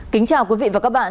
kính chào quý vị và các bạn